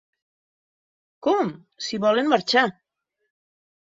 Com, si volem marxar!